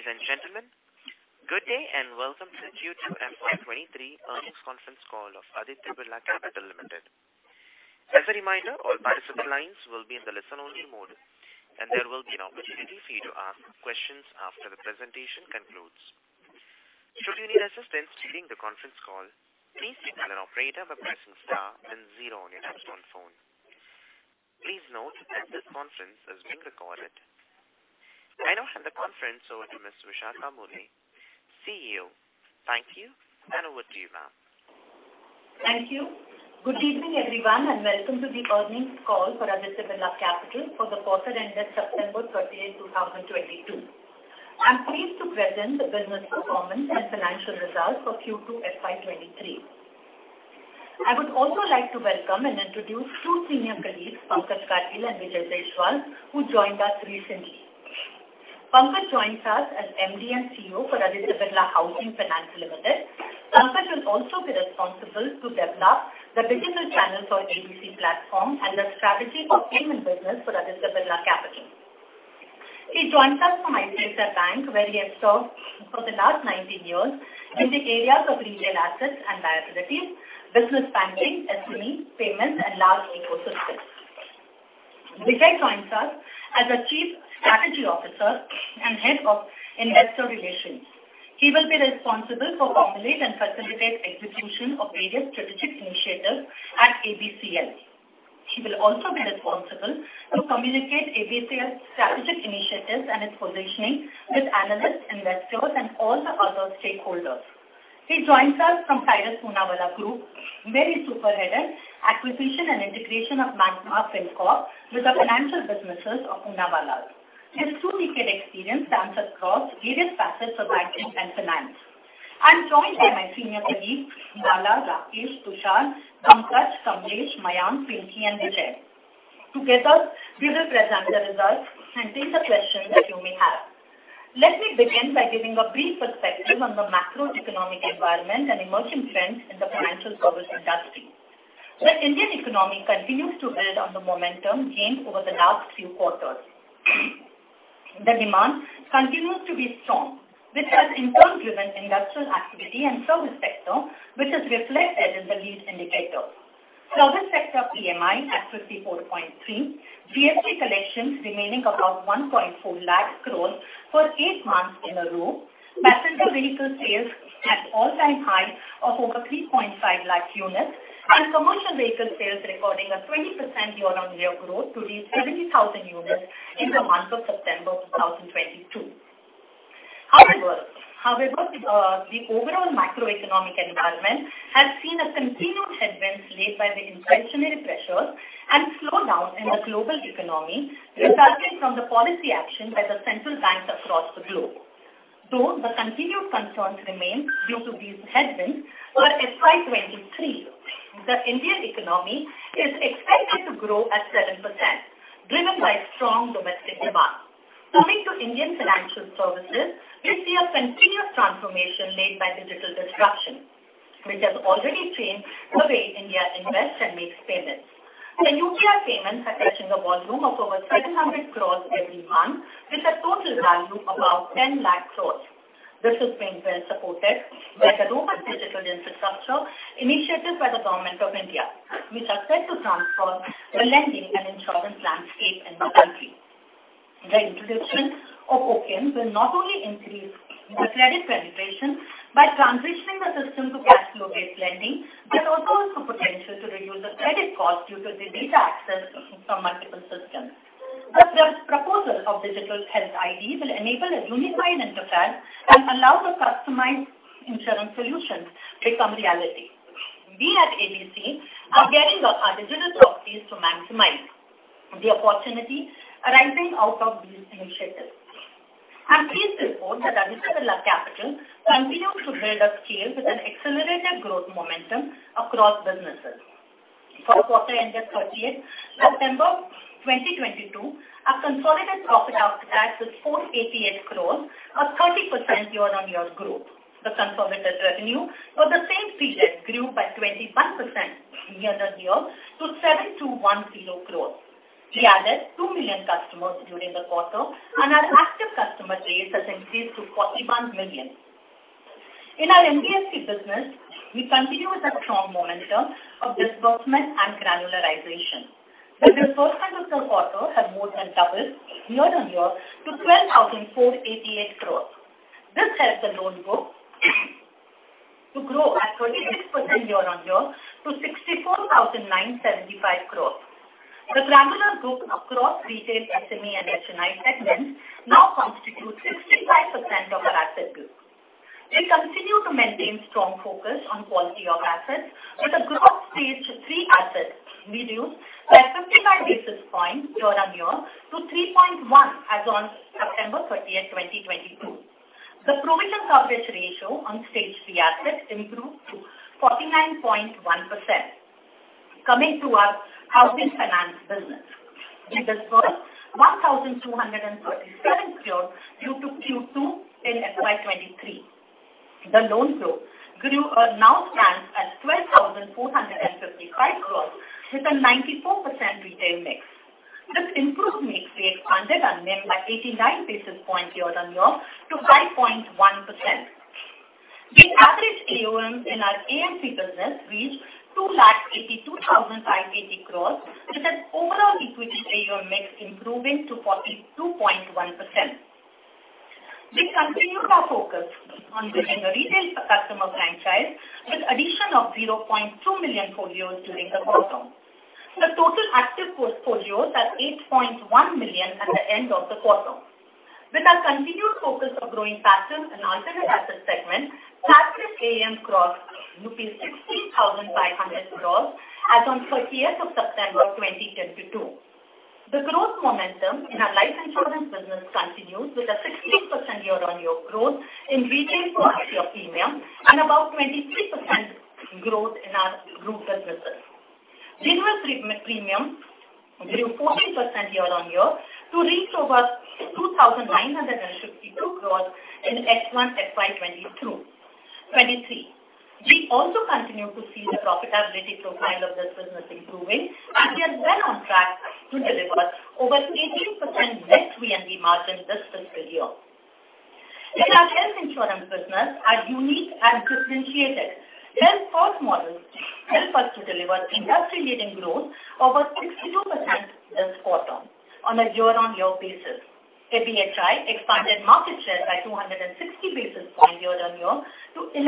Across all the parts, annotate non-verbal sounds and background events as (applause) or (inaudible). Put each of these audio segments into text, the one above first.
Ladies and gentlemen, good day and welcome to Q2 FY 2023 earnings conference call of Aditya Birla Capital Limited. As a reminder, all participant lines will be in the listen-only mode, and there will be an opportunity for you to ask questions after the presentation concludes. Should you need assistance during the conference call, please signal an operator by pressing star then zero on your telephone. Please note that this conference is being recorded. I now hand the conference over to Ms. Vishakha Mulye, CEO. Thank you and over to you, ma'am. Thank you. Good evening, everyone, and welcome to the earnings call for Aditya Birla Capital for the quarter ended September 30th, 2022. I'm pleased to present the business performance and financial results for Q2 FY 2023. I would also like to welcome and introduce two senior colleagues, Pankaj Gadgil and Vijay Deshwal, who joined us recently. Pankaj joins us as MD and CEO for Aditya Birla Housing Finance Limited. Pankaj will also be responsible to develop the digital channel for ABC Platform and the strategy for payment business for Aditya Birla Capital. He joins us from ICICI Bank, where he has served for the last 19 years in the areas of retail assets and liabilities, business banking, SME, payments and large ecosystem. Vijay joins us as Chief Strategy Officer and Head of Investor Relations. He will be responsible for formulate and facilitate execution of various strategic initiatives at ABCL. He will also be responsible to communicate ABCL's strategic initiatives and its positioning with analysts, investors and all the other stakeholders. He joins us from Cyrus Poonawalla Group, where he spearheaded acquisition and integration of Magma Fincorp with the financial businesses of Poonawalla. His two-decade experience spans across various facets of banking and finance. I'm joined by my senior colleagues, Bhava, Rakesh, Tushar, Pankaj, Kamlesh, Mayank, Pinky and Vijay. Together we will present the results and take the questions that you may have. Let me begin by giving a brief perspective on the macroeconomic environment and emerging trends in the financial services industry. The Indian economy continues to build on the momentum gained over the last few quarters. The demand continues to be strong. This has informed driven industrial activity and service sector, which is reflected in the lead indicators. Service sector PMI at 54.3. GST collections remaining above 1.4 lakh crore for eight months in a row. Passenger vehicle sales at all-time high of over 3.5 lakh units and commercial vehicle sales recording a 20% year-on-year growth to reach 70,000 units in the month of September 2022. However, the overall macroeconomic environment has seen continued headwinds led by the inflationary pressures and slowdown in the global economy resulting from the policy action by the central banks across the globe. Though the continued concerns remain due to these headwinds for FY 2023, the Indian economy is expected to grow at 7%, driven by strong domestic demand. Coming to Indian financial services, we see a continuous transformation laid by digital disruption, which has already changed the way India invests and makes payments. The UPI payments are touching a volume of over 700 crore every month with a total value above 10 lakh crore. This has been well supported by the open digital infrastructure initiatives by the Government of India, which are set to transform the Lending and Insurance landscape in the country. The introduction of Open will not only increase the credit penetration by transitioning the system to cash flow-based lending, but also has the potential to reduce the credit cost due to the data access from multiple systems. The proposal of digital health ID will enable a unified interface and allow the customized insurance solutions become reality. We at Aditya Birla Capital are gearing up our digital properties to maximize the opportunity arising out of these initiatives. I'm pleased to report that Aditya Birla Capital continued to build up scale with an accelerated growth momentum across businesses. For the quarter ended September 2022, our consolidated profit after tax was 488 crores, a 30% year-on-year growth. The Consolidated Revenue for the same period grew by 21% year-on-year to 7,210 crores. We added 2 million customers during the quarter and our Active Customers base has increased to 41 million. In our NBFC business, we continue with a strong momentum of disbursement and granularization. The disbursements of quarter have more than doubled year-on-year to 12,488 crores. This helped the loan book to grow at 26% year-on-year to 64,975 crores. The granular book across retail, SME and HNI segments now constitutes 65% of our asset book. We continue to maintain strong focus on quality of assets, with the gross Stage Three assets reduced by 55 basis points year-on-year to 3.1% as on September 30th, 2022. The provision coverage ratio on Stage Three assets improved to 49.1%. Coming to our Housing Finance Business. We disbursed INR 1,237 crore during Q2 in FY 2023. The loan book grew, now stands at 12,455 crore with a 94% retail mix. This improvement makes the expanded NIM by 89 basis points year-on-year to 5.1%. The average AUM in our AMC business reached 282,580 crore, with an overall equity AUM Mix improving to 42.1%. We continued our focus on building a retail customer franchise with addition of 0.2 million portfolios during the quarter. The total active portfolios are 8.1 million at the end of the quarter. With our continued focus of growing faster in alternate asset segment, ABSL AMC crossed rupees 6,500 crore as on thirtieth of September 2022. The growth momentum in our Life Insurance business continues with a 16% year-on-year growth in retail first year premium and about 23% growth in our group businesses. Renewal premium grew 40% year-on-year to reach over 2,952 crore in Q1 FY 2022, 2023. We also continue to see the profitability profile of this business improving and we are well on track to deliver over 18% net VNB margin this fiscal year. In our Health Insurance business, our unique and differentiated health-first models help us to deliver industry-leading growth over 62% this quarter on a year-on-year basis. ABHI expanded market share by 260 basis points year on year to 11%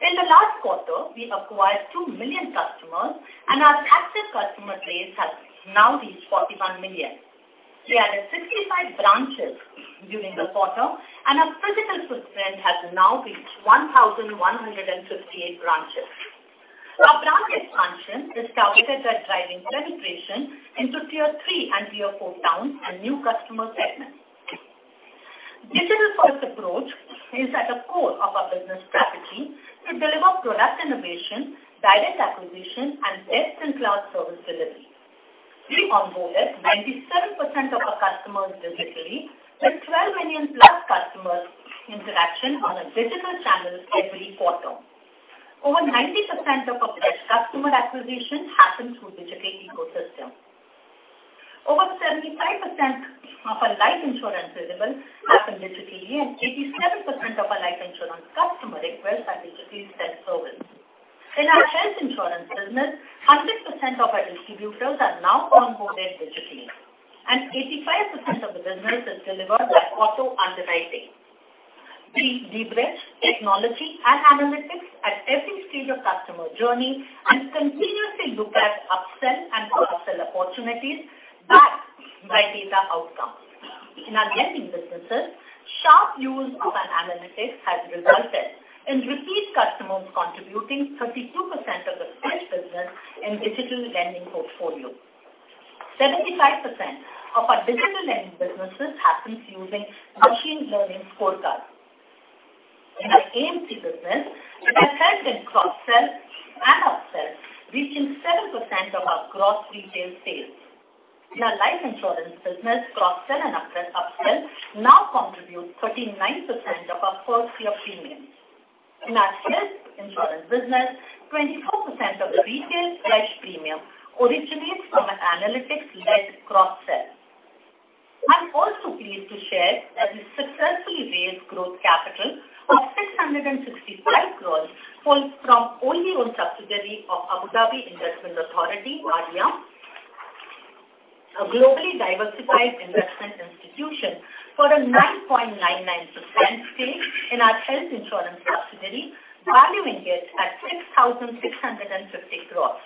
in the last quarter. We acquired 2 million customers and our Active Customers base has now reached 41 million. We added 65 branches during the quarter and our physical footprint has now reached 1,158 branches. Our branch expansion is targeted at driving penetration into tier three and tier four towns and new customer segments. Digital first approach is at the core of our business strategy to deliver product innovation, direct acquisition and best-in-class service delivery. We onboarded 97% of our customers digitally, with 12 million plus customers interaction on a digital channel every quarter. Over 90% of our customer acquisition happens through digital ecosystem. Over 75% of our Life Insurance business happen digitally, and 87% of our Life Insurance customer requests are digitally self-serviced. In our Health Insurance business, 100% of our distributors are now onboarded digitally, and 85% of the business is delivered by auto underwriting. We leverage technology and analytics at every stage of customer journey and continuously look at upsell and cross-sell opportunities backed by data outcomes. In our Lending Businesses, sharp use of analytics has resulted in repeat customers contributing 32% of the fresh business in digital lending portfolio. 75% of our digital Lending Businesses happens using machine learning scorecard. In our AMC business, our health and cross-sell and upsell reaching 7% of our gross retail sales. In our Life Insurance business, cross-sell and upsell now contribute 39% of our first year premiums. In our Health Insurance business, 24% of the retail fresh premium originates from an analytics-led cross-sell. I'm also pleased to share that we successfully raised growth capital of 665 crore from wholly owned subsidiary of Abu Dhabi Investment Authority, ADIA. A globally diversified investment institution for a 9.99% stake in our Health Insurance subsidiary, valuing it at 6,650 crore.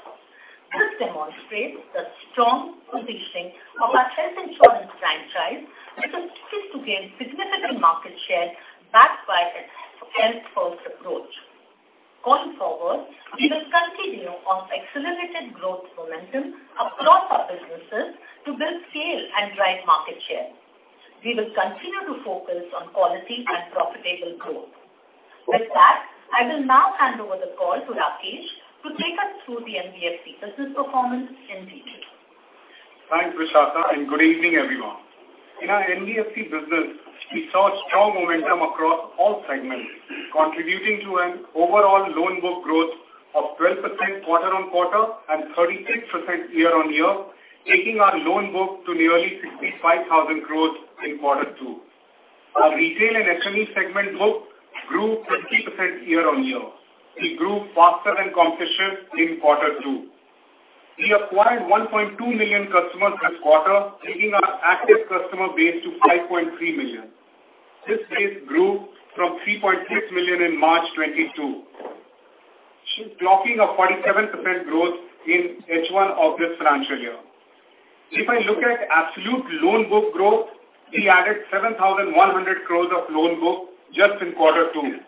This demonstrates the strong positioning of our Health Insurance franchise, which continues to gain significant market share backed by a health-first approach. Going forward, we will continue on accelerated growth momentum across our businesses to build scale and drive market share. We will continue to focus on quality and profitable growth. With that, I will now hand over the call to Rakesh to take us through the NBFC business performance in detail. Thanks, Vishakha, and good evening, everyone. In our NBFC business, we saw strong momentum across all segments, contributing to an overall loan book growth of 12% quarter-on-quarter and 36% year-on-year, taking our loan book to nearly 65,000 crore in quarter two. Our retail and SME segment book grew 50% year-on-year. We grew faster than competition in quarter two. We acquired 1.2 million customers this quarter, taking our Active Customers base to 5.3 million. This base grew from 3.6 million in March 2022, chalking a 47% growth in H1 of this financial year. If I look at absolute loan book growth, we added 7,100 crores of loan book just in quarter two,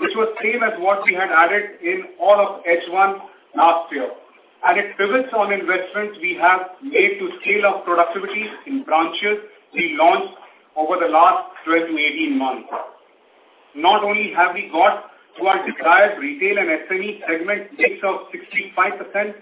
which was same as what we had added in all of H1 last year, and it pivots on investments we have made to scale up productivities in branches we launched over the last 12 to 18 months. Not only have we got to our desired retail and SME segment mix of 65%,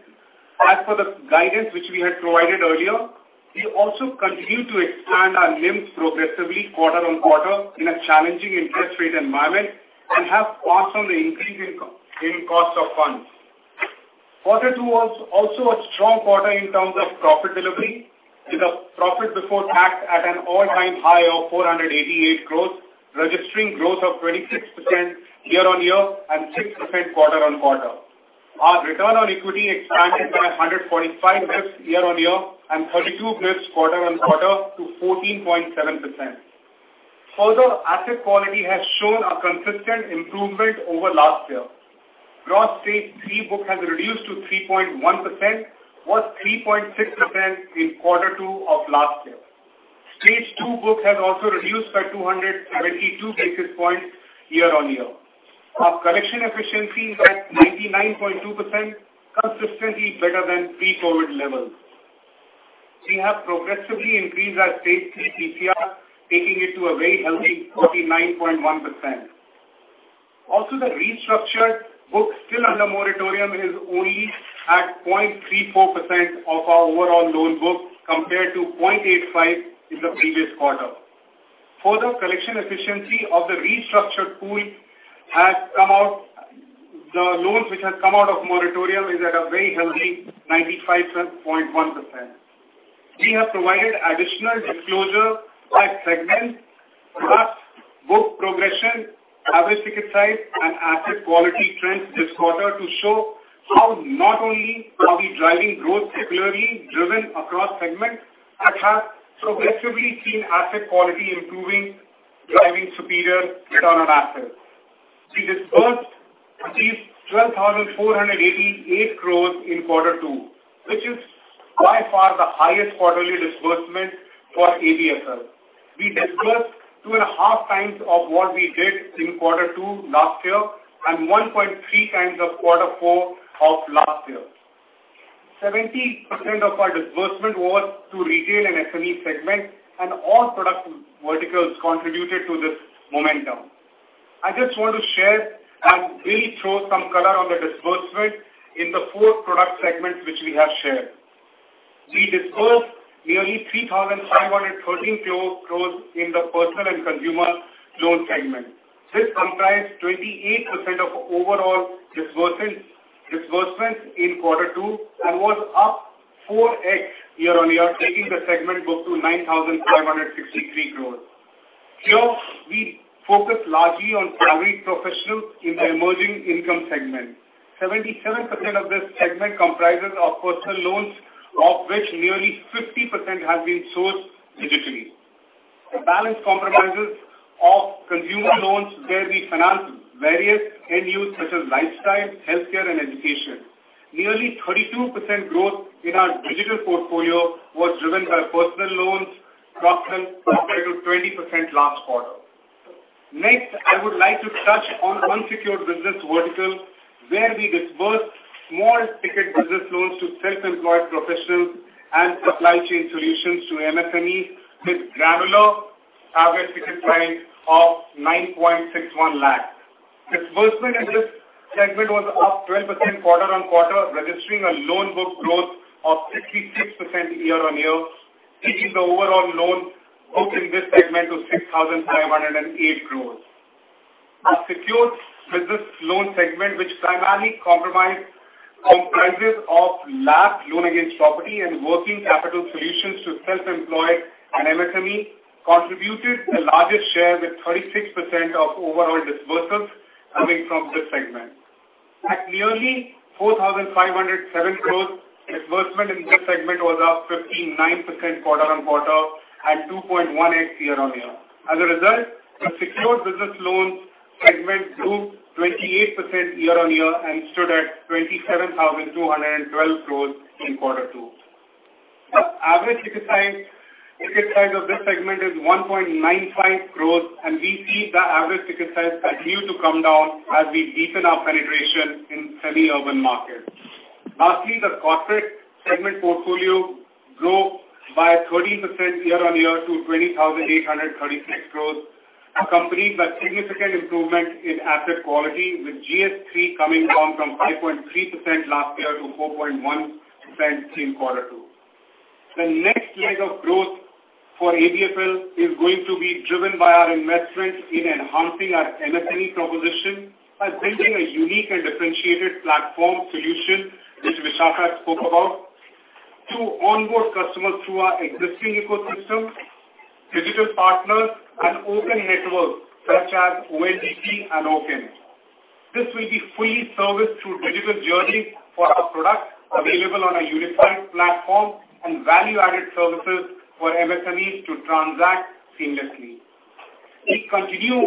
as per the guidance which we had provided earlier, we also continue to expand our NIMs progressively quarter-on-quarter in a challenging interest rate environment and have passed on the increase in cost of funds. Quarter two was also a strong quarter in terms of profit delivery, with a profit before tax at an all-time high of 488 crores, registering growth of 26% year-on-year and 6% quarter-on-quarter. Our return on equity expanded by 145 basis points year-on-year and 32 basis points quarter-on-quarter to 14.7%. Further, asset quality has shown a consistent improvement over last year. Gross stage three book has reduced to 3.1%, was 3.6% in quarter two of last year. Stage two book has also reduced by 272 basis points year-on-year. Our collection efficiency is at 99.2%, consistently better than pre-COVID levels. We have progressively increased our stage three CPR, taking it to a very healthy 49.1%. Also, the restructured book still under moratorium is only at 0.34% of our overall loan book compared to 0.85 in the previous quarter. Further, collection efficiency of the restructured pool has come out. The loans which has come out of moratorium is at a very healthy 95.1%. We have provided additional disclosure by segment, product, book progression, average ticket size and asset quality trends this quarter to show how not only are we driving growth similarly driven across segments, but have progressively seen asset quality improving, driving superior return on assets. We disbursed 12,488 crore in quarter two, which is by far the highest quarterly disbursement for ABFL. We disbursed 2.5 times of what we did in quarter two last year and 1.3 times of quarter four of last year. 70% of our disbursement was to retail and SME segment and all product verticals contributed to this momentum. I just want to share and really throw some color on the disbursement in the four product segments which we have shared. We disbursed nearly 3,513 crores in the personal and consumer loan segment. This comprised 28% of overall disbursements in quarter two and was up 4x year-on-year, taking the segment book to 9,563 crores. Here, we focus largely on salaried professionals in the emerging income segment. 77% of this segment comprises of personal loans, of which nearly 50% has been sourced digitally. The balance comprises of consumer loans where we finance various end use such as lifestyle, healthcare, and education. Nearly 32% growth in our digital portfolio was driven by personal loans, compared to 20% last quarter. Next, I would like to touch on unsecured business vertical, where we disbursed small ticket business loans to self-employed professionals and supply chain solutions to MSMEs with granular average ticket size of 9.61 lakh. Disbursement in this segment was up 12% quarter-on-quarter, registering a loan book growth of 66% year-on-year, taking the overall loan book in this segment to 6,508 crores. Our secured business loan segment, which primarily comprises of LAP, loan against property, and working capital solutions to self-employed and MSMEs contributed the largest share with 36% of overall disbursements coming from this segment. At nearly 4,507 crores, disbursement in this segment was up 15.9% quarter-on-quarter and 2.18% year-on-year. As a result, the secured business loans segment grew 28% year-on-year and stood at 27,212 crores in quarter two. The average ticket size of this segment is 1.95 crores and we see the average ticket size continue to come down as we deepen our penetration in semi-urban markets. The corporate segment portfolio grew by 13% year-on-year to 20,836 crores, accompanied by significant improvement in asset quality with GS3 coming down from 5.3% last year to 4.1% in quarter two. The next leg of growth for ABHFL is going to be driven by our investments in enhancing our MSME proposition by building a unique and differentiated platform solution, which Vishakha spoke about, to onboard customers through our existing ecosystem, digital partners and open networks such as ONDC and Open. This will be fully serviced through digital journey for our products available on a unified platform and value-added services for MSMEs to transact seamlessly. We continue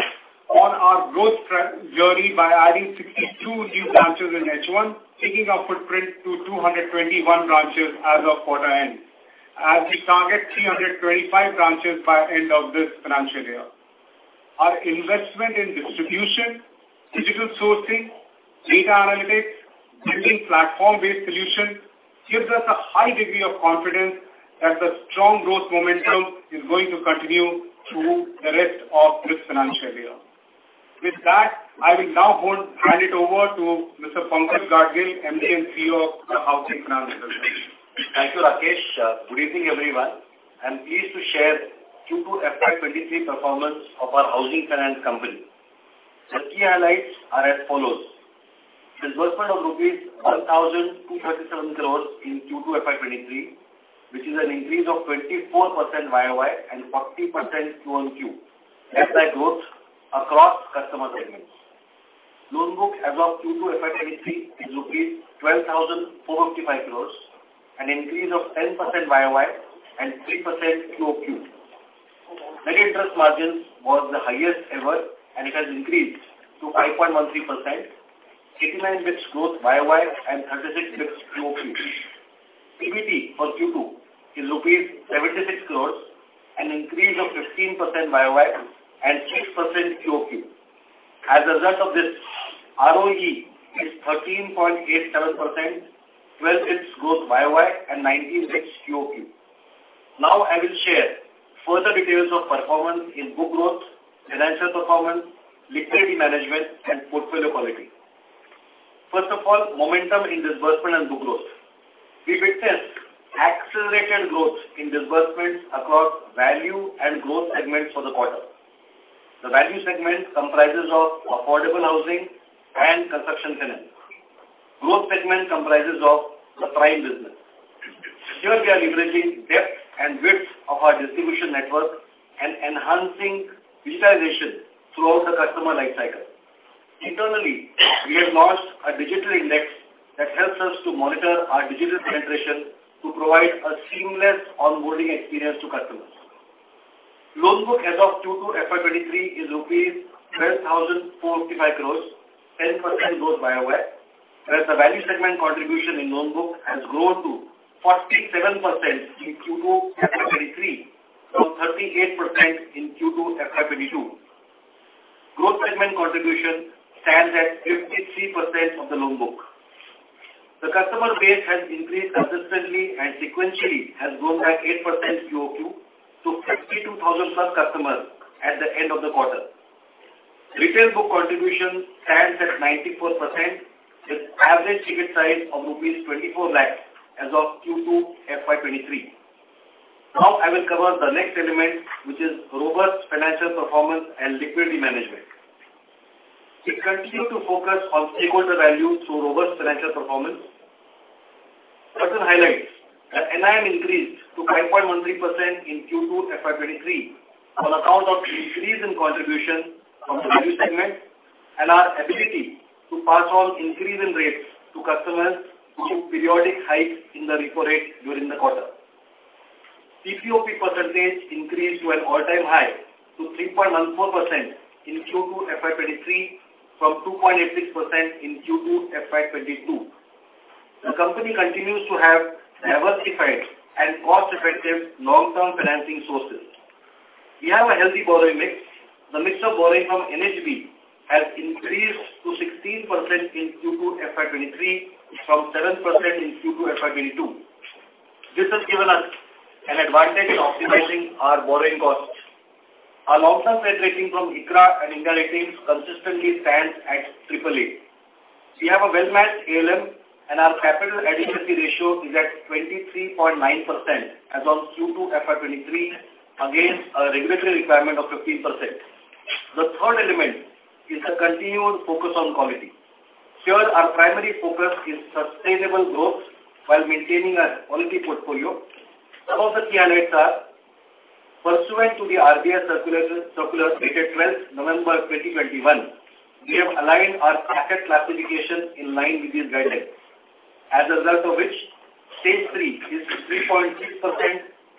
on our growth journey by adding 62 new branches in H1, taking our footprint to 221 branches as of quarter end, as we target 325 branches by end of this financial year. Our investment in distribution, digital sourcing, data analytics, building platform-based solution gives us a high degree of confidence that the strong growth momentum is going to continue through the rest of this financial year. With that, I will now hand it over to Mr. Pankaj Gadgil, MD and CEO of Aditya Birla Housing Finance Business. Thank you, Rakesh. Good evening, everyone. I'm pleased to share Q2 FY 2023 performance of our housing finance company. The key highlights are as follows. Disbursement of rupees 1,237 crores in Q2 FY 2023, which is an increase of 24% YoY and 40% QoQ. Asset growth across customer segments. Loan book as of Q2 FY 2023 is rupees 12,455 crores, an increase of 10% YoY and 3% QoQ. Net interest margin was the highest ever and it has increased to 5.13%, 89 basis points growth YoY and 36 basis points QoQ. PBT for Q2 is rupees 76 crores, an increase of 15% YoY and 6% QoQ. As a result of this, ROE is 13.87%, 12 basis points growth YoY and 19 basis points QoQ. Now I will share further details of performance in book growth, financial performance, liquidity management and portfolio quality. First of all, momentum in disbursement and book growth. We witnessed accelerated growth in disbursements across value and growth segments for the quarter. The value segment comprises of Affordable Housing and Construction Finance. Growth segment comprises of the prime business. Here we are leveraging depth and width of our distribution network and enhancing digitization throughout the customer life cycle. Internally, we have launched a digital index that helps us to monitor our digital penetration to provide a seamless onboarding experience to customers. Loan book as of Q2 FY 2023 is rupees 12,455 crores, 10% growth YoY. Whereas the value segment contribution in loan book has grown to 47% in Q2 FY 2023 from 38% in Q2 FY 2022. Growth segment contribution stands at 53% of the loan book. The customer base has increased consistently and sequentially has grown by 8% QoQ to 52,000+ customers at the end of the quarter. Retail book contribution stands at 94% with average ticket size of INR 24 lakhs as of Q2 FY 2023. Now I will cover the next element which is robust financial performance and liquidity management. We continue to focus on stakeholder value through robust financial performance. Certain highlights. NIM increased to 5.13% in Q2 FY 2023 on account of decrease in contribution from the value segment and our ability to pass on increase in rates to customers due to periodic hikes in the repo rate during the quarter. PPOP percentage increased to an all-time high to 3.14% in Q2 FY 2023 from 2.86% in Q2 FY 2022. The company continues to have diversified and cost effective long-term financing sources. We have a healthy borrowing mix. The mix of borrowing from NHB has increased to 16% in Q2 FY 2023 from 7% in Q2 FY 2022. This has given us an advantage in optimizing our borrowing costs. Our long-term credit rating from ICRA and India Ratings and Research consistently stands at AAA. We have a well-matched ALM and our capital adequacy ratio is at 23.9% as of Q2 FY 2023 against a regulatory requirement of 15%. The third element is the continued focus on quality. Here our primary focus is sustainable growth while maintaining a quality portfolio. Some of the key highlights are, pursuant to the RBI circular dated 12th November 2021, we have aligned our asset classification in line with these guidelines. As a result of which Stage Three is 3.6%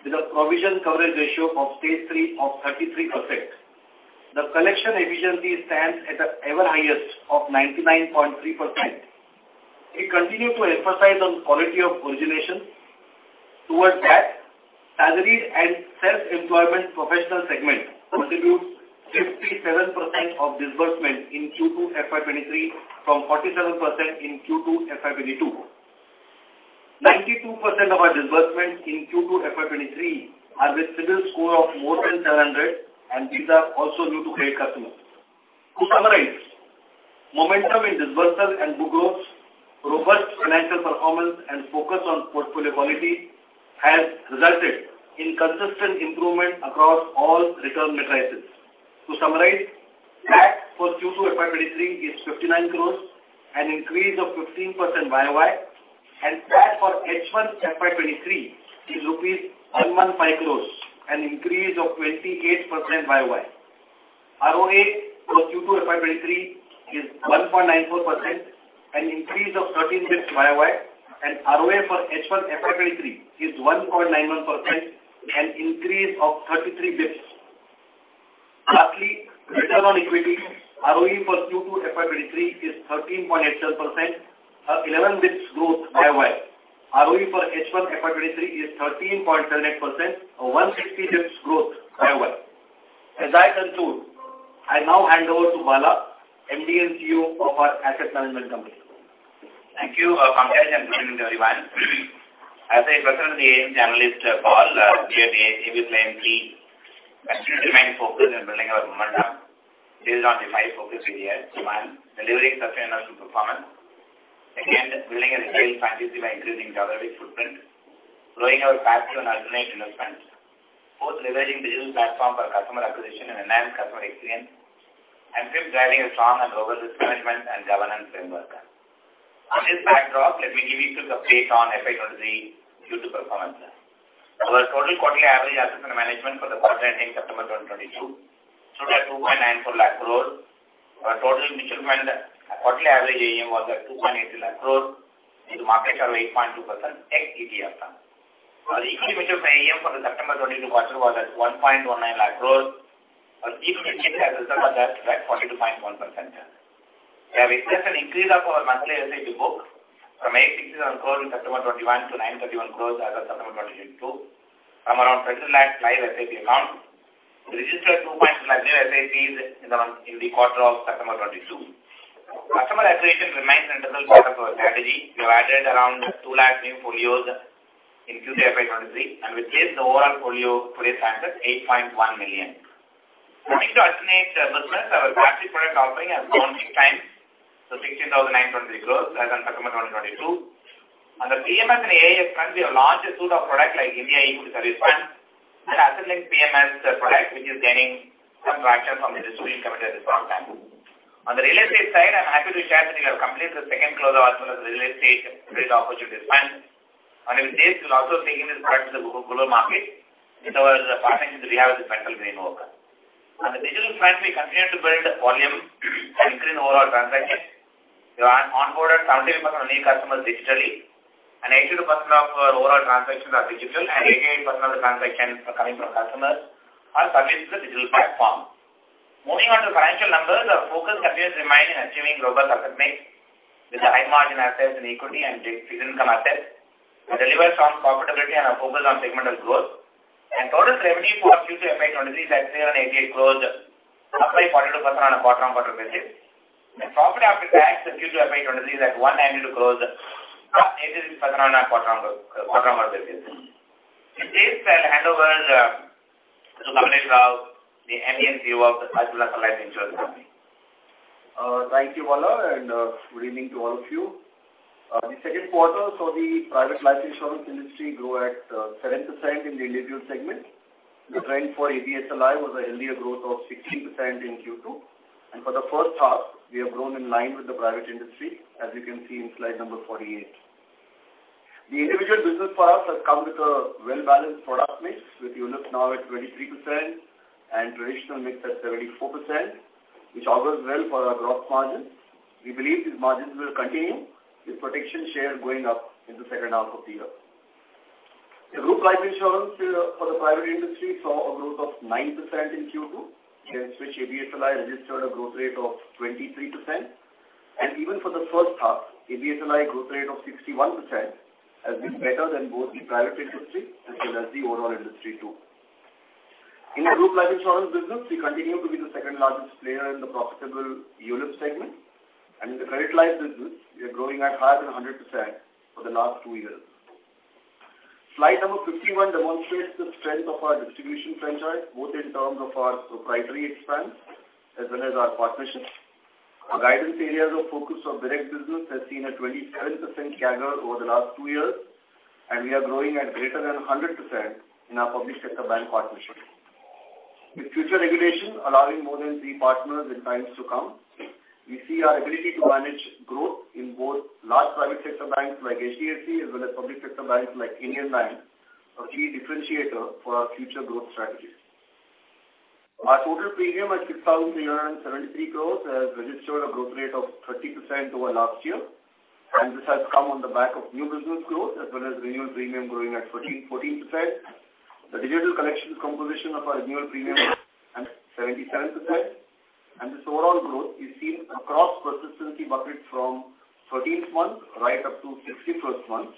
with a provision coverage ratio of Stage Three of 33%. The collection efficiency stands at an ever highest of 99.3%. We continue to emphasize on quality of origination. Towards that, salaried and self-employment professional segment contributes 57% of disbursement in Q2 FY 2023 from 47% in Q2 FY 2022. 92% of our disbursement in Q2 FY 2023 are with CIBIL score of more than 700, and these are also new to credit customers. To summarize, momentum in disbursement and book growth, robust financial performance, and focus on portfolio quality has resulted in consistent improvement across all return metrics. To summarize, PAT for Q2 FY 2023 is 59 crores, an increase of 15% YoY, and PAT for H1 FY 2023 is rupees 115 crores, an increase of 28% YoY. ROA for Q2 FY 2023 is 1.94%, an increase of thirteen basis points YoY, and ROA for H1 FY 2023 is 1.91%, an increase of thirty-three basis points. Lastly, return on equity, ROE for Q2 FY 2023 is 13.87%, eleven basis points growth YoY. ROE for H1 FY 2023 is 13.78%, a 160 basis points growth YoY. As I conclude, I now hand over to Bala, MD and CEO of our Asset Management Company. Thank you, Pankaj, and good evening to everyone. As I present the AMC analyst call via the ABSL MF, we remain focused on building our momentum in the five focus areas. One, delivering sustainable performance. Two, building a retail franchise by increasing geographic footprint. Growing our passive and alternate investments. Fourth, leveraging digital platform for customer acquisition and enhanced customer experience. And fifth, driving a strong and robust risk management and governance framework. Against this backdrop, let me give you quick update on FY 2023 Q2 performance. Our total quarterly Average Asset Management for the quarter ending September 2022 stood at INR 2.94 lakh crore. Our total mutual fund quarterly average AUM was at INR 2.8 lakh crore with a market share of 8.2% ex-ETF. Our equity mutual fund AUM for the September 2022 quarter was at 1.19 lakh crores with a year-to-date return of 42.1%. We have witnessed an increase of our monthly SIP books from INR 867 crore in September 2021 to INR 931 crores as of September 2022 from around 30 lakh live SIP accounts. We registered 2.2 lakh new SIPs in the quarter of September 2022. Customer acquisition remains central to our strategy. We have added around 2 lakh new folios in Q2 FY 2023, and with this the overall folio stands at 8.1 million. Moving to alternate investments, our private product offering has grown 8x to 16,923 crores as on September 2022. On the PMS and AIF front, we have launched a suite of products like India Equity Service Fund and Asset Linked PMS product, which is gaining some traction from the institutional investor front. On the real estate side, I'm happy to share that we have completed the second close of Aditya Birla Real Estate Credit Opportunities Fund. These days, we'll also take in this product to the global market with our partners in the real estate venture. (inaudible) On the digital front, we continue to build volume and increase overall transactions. We have onboarded 70% of new customers digitally, and 82% of our overall transactions are digital, and 88% of the transactions coming from customers are serviced through digital platform. Moving on to financial numbers. Our focus continues to remain in achieving robust asset mix with the high margin assets in equity and fixed income assets. We deliver strong profitability and our focus on segmental growth. Total revenue for Q2 FY 2023 is at INR 388 crore, up by 42% on a quarter-over-quarter basis. Profit after tax for Q2 FY 2023 is at INR 192 crore, up 18% on a quarter-over-quarter basis. With this, I'll hand over to Kamlesh Rao, the MD and CEO of Aditya Birla Sun Life Insurance. Thank you, Bala, and good evening to all of you. The second quarter for theLife Insurance industry grew at 7% in the individual segment. The trend for ABSLI was a healthier growth of 16% in Q2. For the first half, we have grown in line with the private industry, as you can see in slide number 48. The individual business for us has come with a well-balanced product mix, with ULIPs now at 23% and traditional mix at 74%, which augurs well for our gross margins. We believe these margins will continue with protection share going up in the second half of the year. The Life Insurance for the private industry saw a growth of 9% in Q2, in which ABSLI registered a growth rate of 23%. Even for the first half, ABSLI growth rate of 61% has been better than both the private industry as well as the overall industry too. In the Life Insurance business, we continue to be the second largest player in the profitable ULIP segment. In the credit life business, we are growing at higher than 100% for the last two years. Slide number 51 demonstrates the strength of our distribution franchise, both in terms of our proprietary presence as well as our partnerships. Our guidance areas of focus of direct business has seen a 27% CAGR over the last two years, and we are growing at greater than 100% in our public sector bank partnerships. With future regulation allowing more than three partners in times to come, we see our ability to manage growth in both large private sector banks like HDFC, as well as public sector banks like Indian Bank, a key differentiator for our future growth strategies. Our total premium at 6,373 crore has registered a growth rate of 30% over last year, and this has come on the back of new business growth as well as renewal premium growing at 13%-14%. The digital collections composition of our renewal premium at 77%. This overall growth is seen across persistency buckets from 13th month right up to 61st month,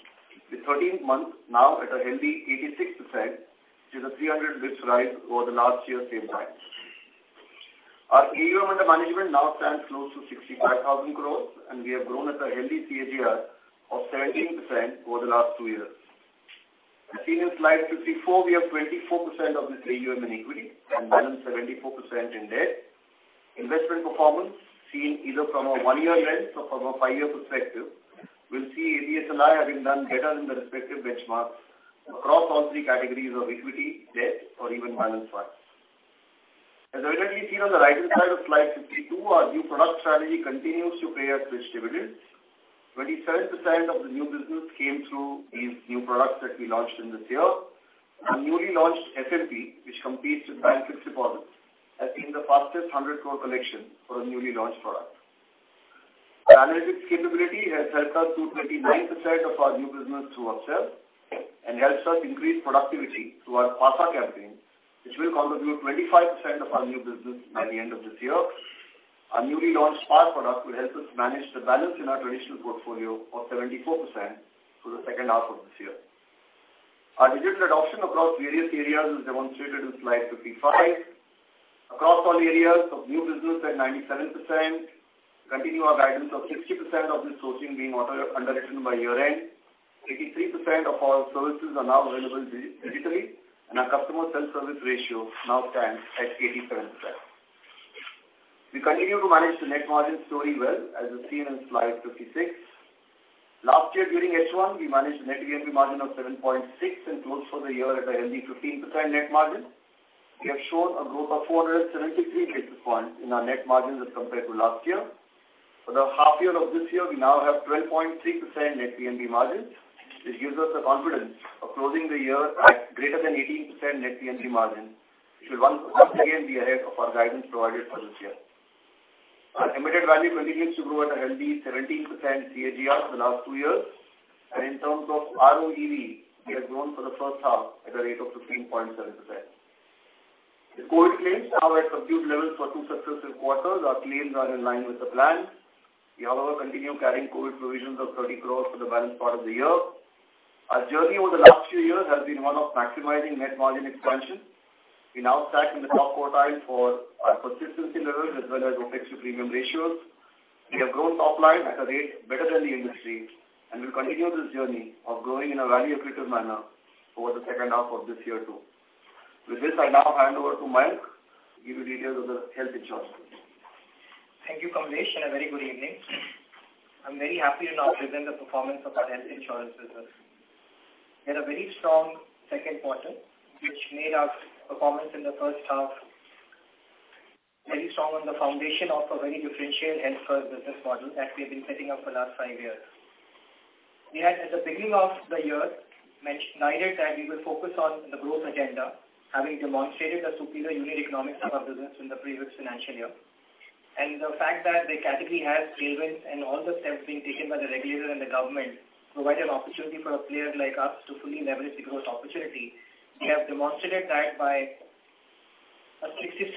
the 13th month now at a healthy 86%, which is a 300 basis points rise over the last year's same time. Our AUM under management now stands close to 65,000 crore, and we have grown at a healthy CAGR of 17% over the last two years. As seen in slide 54, we have 24% of this AUM in equity and balance 74% in debt. Investment performance seen either from a one-year lens or from a five-year perspective, we'll see ABSL MF having done better than the respective benchmarks across all three categories of equity, debt or even balanced funds. As evidently seen on the right-hand side of slide 52, our new product strategy continues to pay us rich dividends. 27% of the new business came through these new products that we launched in this year. Our newly launched FMP, which competes with bank fixed deposits, has seen the fastest 100 crore collection for a newly launched product. Analytics capability has helped us do 29% of our new business through upsell and helps us increase productivity through our PASA campaign, which will contribute 25% of our new business by the end of this year. Our newly launched SPA product will help us manage the balance in our traditional portfolio of 74% through the second half of this year. Our digital adoption across various areas is demonstrated in slide 55. Across all areas of new business at 97% continue our guidance of 60% of this sourcing being auto-underwritten by year-end. 83% of our services are now available digitally, and our customer self-service ratio now stands at 87%. We continue to manage the net margin story well, as is seen in slide 56. Last year during H1, we managed a net VNB margin of 7.6 and closed for the year at a healthy 15% net margin. We have shown a growth of 473 basis points in our net margin as compared to last year. For the half year of this year, we now have 12.3% net VNB margin, which gives us the confidence of closing the year at greater than 18% net VNB margin, which is once again be ahead of our guidance provided for this year. Our embedded value continues to grow at a healthy 17% CAGR for the last two years. In terms of ROEV, we have grown for the first half at a rate of 15.7%. The COVID claims now at subdued levels for two successive quarters. Our claims are in line with the plan. We, however, continue carrying COVID provisions of 30 crores for the balance part of the year. Our journey over the last few years has been one of maximizing net margin expansion. We now stack in the top quartile for our persistency levels as well as OpEx to premium ratios. We have grown top line at a rate better than the industry, and we'll continue this journey of growing in a value-accretive manner over the second half of this year too. With this, I now hand over to Mayank to give you details of the Health Insurance business. Thank you, Kamlesh, and a very good evening. I'm very happy to now present the performance of our Health Insurance business. We had a very strong second quarter, which made our performance in the first half very strong on the foundation of a very differentiated health first business model that we have been setting up for the last five years. We had at the beginning of the year highlighted that we will focus on the growth agenda, having demonstrated the superior unit economics of our business in the previous financial year. The fact that the category has tailwinds and all the steps being taken by the regulator and the government provide an opportunity for a player like us to fully leverage the growth opportunity. We have demonstrated that by a 66%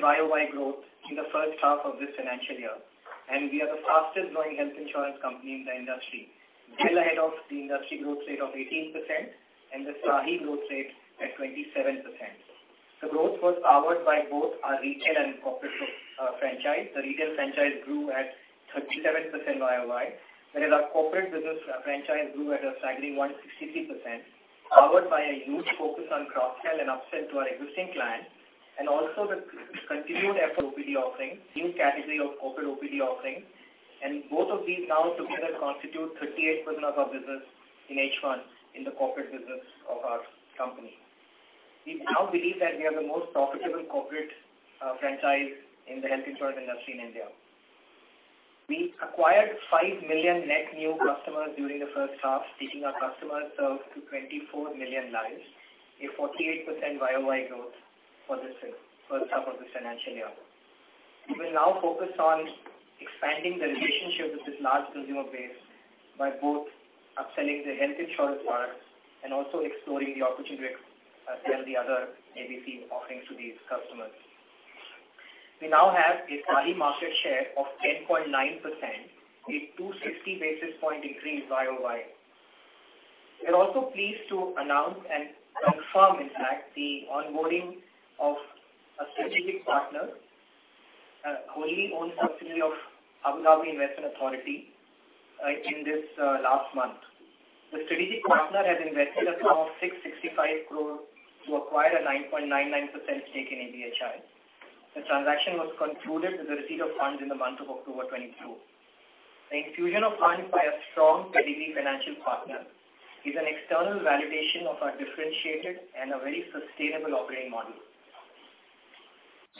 YoY growth in the first half of this financial year. We are the fastest growing Health Insurance company in the industry, well ahead of the industry growth rate of 18% and the SAHI growth rate at 27%. The growth was powered by both our retail and corporate franchise. The retail franchise grew at 37% YoY, whereas our corporate business franchise grew at a staggering 163%, powered by a huge focus on cross-sell and upsell to our existing clients and also the continued full OPD offering, new category of corporate OPD offering. Both of these now together constitute 38% of our business in H1 in the corporate business of our company. We now believe that we are the most profitable corporate franchise in the Health Insurance industry in India. We acquired 5 million net new customers during the first half, taking our customer base to 24 million lives, a 48% YoY growth for this first half of this financial year. We will now focus on expanding the relationship with this large consumer base by both upselling the Health Insurance products and also exploring the opportunity to sell the other ABC offerings to these customers. We now have a SAHI market share of 10.9%, a 260 basis point increase YoY. We're also pleased to announce and confirm, in fact, the onboarding of a strategic partner, a wholly-owned subsidiary of Abu Dhabi Investment Authority, in this last month. The strategic partner has invested a sum of 665 crore to acquire a 9.99% stake in ABHI. The transaction was concluded with the receipt of funds in the month of October 2022. The infusion of funds by a strong category financial partner is an external validation of our differentiated and a very sustainable operating model.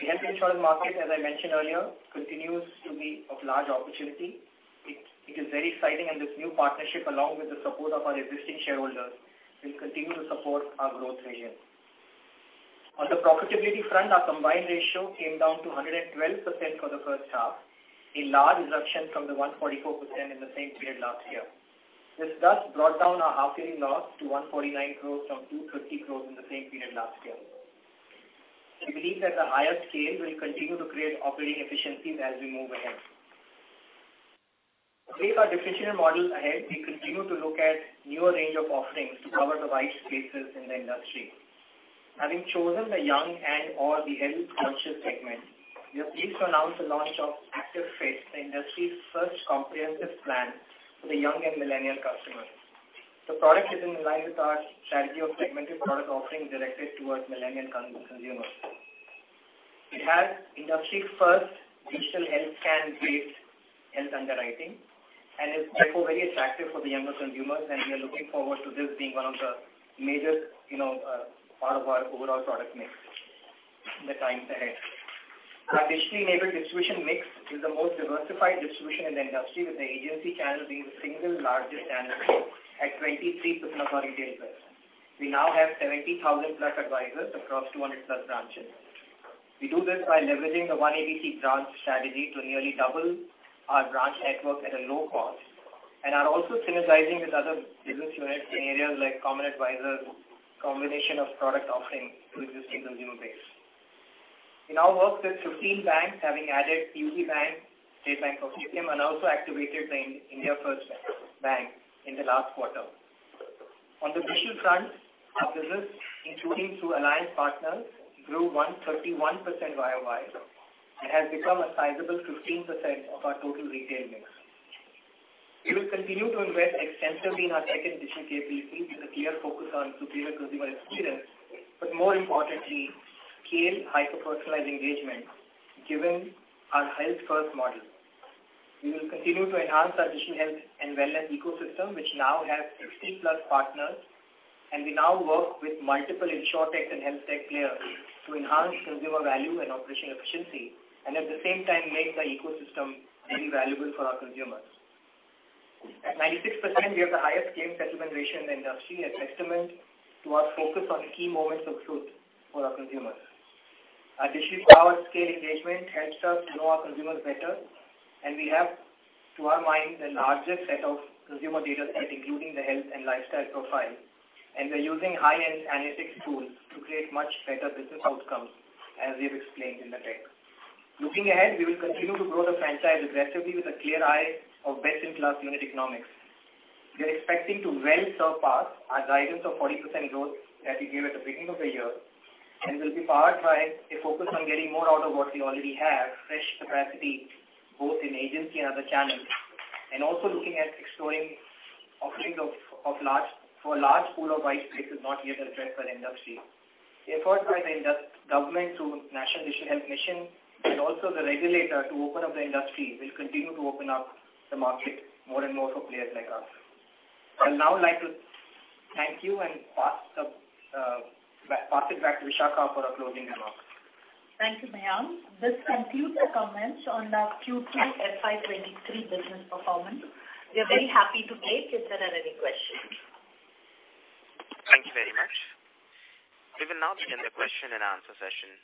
The Health Insurance market, as I mentioned earlier, continues to be of large opportunity. It is very exciting, and this new partnership, along with the support of our existing shareholders will continue to support our growth vision. On the profitability front, our combined ratio came down to 112% for the first half, a large reduction from the 144% in the same period last year. This thus brought down our half yearly loss to 149 crore from 250 crore in the same period last year. We believe that the higher scale will continue to create operating efficiencies as we move ahead. With our differentiated model ahead, we continue to look at newer range of offerings to cover the white spaces in the industry. Having chosen the young and/or the health-conscious segment, we are pleased to announce the launch of Activ Fit, the industry's first comprehensive plan for the young and millennial customers. The product is in line with our strategy of segmented product offerings directed towards millennial consumers. It has industry's first digital health scan-based health underwriting, and is therefore very attractive for the younger consumers, and we are looking forward to this being one of the major, you know, part of our overall product mix in the times ahead. Our digitally enabled distribution mix is the most diversified distribution in the industry, with the agency channel being the single largest channel at 23% of our retail business. We now have 70,000+ advisors across 200+ branches. We do this by leveraging the one ABC branch strategy to nearly double our branch network at a low cost, and are also synergizing with other business units in areas like common advisors, combination of product offerings to existing consumer base. We now work with 15 banks, having added UCO Bank, State Bank of India, and also activated the IndiaFirst Bank in the last quarter. On the digital front, our business, including through alliance partners, grew 131% YoY and has become a sizable 15% of our total retail mix. We will continue to invest extensively in our tech and digital capabilities with a clear focus on superior consumer experience, but more importantly, scale hyper-personalized engagement given our health-first model. We will continue to enhance our digital health and wellness ecosystem, which now has 60+ partners, and we now work with multiple Insurtech and Healthtech players to enhance consumer value and operational efficiency, and at the same time make the ecosystem very valuable for our consumers. At 96%, we have the highest claim settlement ratio in the industry, a testament to our focus on the key moments of truth for our consumers. Our digitally powered scale engagement helps us know our consumers better, and we have, to our mind, the largest set of consumer data set, including the health and lifestyle profile. We're using high-end analytics tools to create much better business outcomes, as we have explained in the deck. Looking ahead, we will continue to grow the franchise aggressively with a clear eye of best-in-class unit economics. We are expecting to well surpass our guidance of 40% growth that we gave at the beginning of the year, and will be powered by a focus on getting more out of what we already have, fresh capacity both in agency and other channels, and also looking at exploring offerings for a large pool of white spaces not yet addressed by the industry. Efforts by the government through National Digital Health Mission and also the regulator to open up the industry will continue to open up the market more and more for players like us. I'd now like to thank you and pass it back to Vishakha for her closing remarks. Thank you, Mayank. This concludes the comments on the Q2 FY 2023 business performance. We are very happy to take if there are any questions. Thank you very much. We will now begin the question and answer session.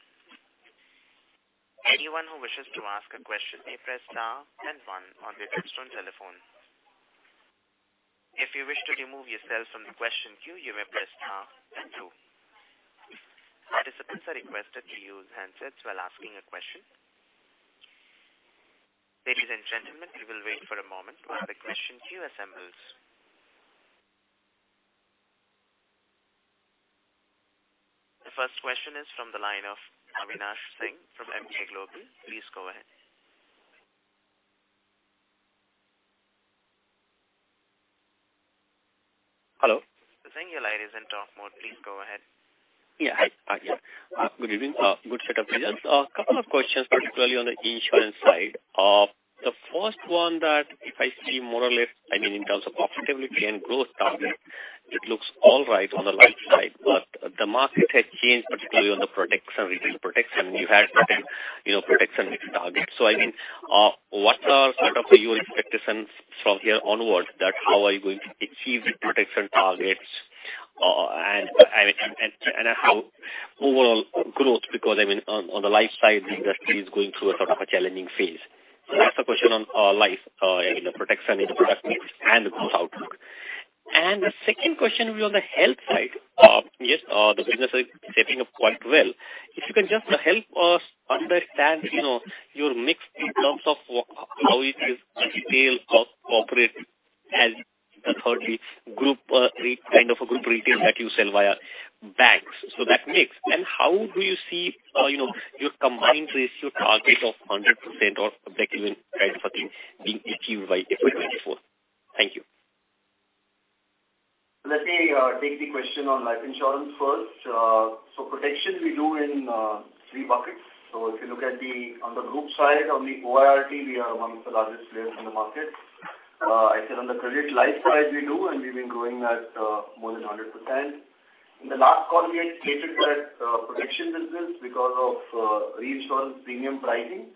Anyone who wishes to ask a question may press star then one on their touch-tone telephone. If you wish to remove yourself from the question queue, you may press star then two. Participants are requested to use handsets while asking a question. Ladies and gentlemen, we will wait for a moment while the question queue assembles. The first question is from the line of Avinash Singh from Emkay Global. Please go ahead. Hello. Mr. Singh, your line is in talk mode. Please go ahead. Good evening. Good set of results. A couple of questions, particularly on the insurance side. The first one that if I see more or less, I mean in terms of profitability and growth target, it looks all right on the life side, but the market has changed, particularly on the protection, retail protection. You had certain, you know, protection targets. So I mean, what are sort of your expectations from here onwards that how are you going to achieve the protection targets? And how overall growth because I mean, on the life side, the industry is going through a sort of a challenging phase. That's the question on life, you know, protection in the product mix and the growth outlook. The second question will be on the health side. Yes, the business is shaping up quite well. If you can just help us understand, you know, your mix in terms of how it is retail or corporate, and thirdly, group, kind of a group retail that you sell via banks. So that mix. How do you see, you know, your combined ratio target of 100% or breakeven, right, Mayank, being achieved by FY 2024? Thank you. Let me take the question Life Insurance first. Protection we do in three buckets. If you look at the group side, on the OIRT, we are amongst the largest players in the market. I said on the credit life side we do, and we've been growing at more than 100%. In the last call, we had stated that protection business because of reinsured premium pricing,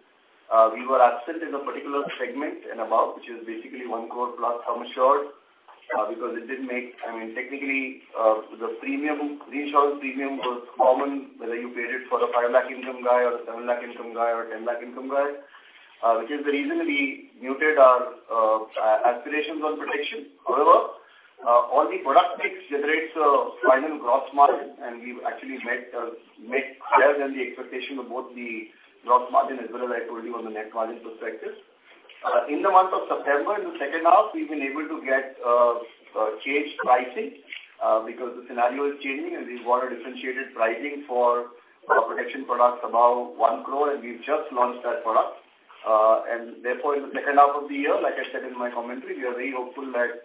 we were absent in a particular segment and above, which is basically 1 crore plus sum assured, because it didn't make sense. I mean, technically, the reinsured premium was common, whether you paid it for the 5 lakh income guy or the 7 lakh income guy or 10 lakh income guy, which is the reason we muted our aspirations on protection. However, all the product mix generates a final gross margin, and we've actually met better than the expectation of both the gross margin as well as I told you on the net margin perspective. In the month of September, in the second half, we've been able to get changed pricing because the scenario is changing and we want a differentiated pricing for protection products above 1 crore, and we've just launched that product. Therefore, in the second half of the year, like I said in my commentary, we are very hopeful that